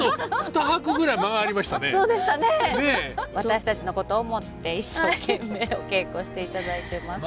私たちのことを思って一生懸命お稽古していただいてます。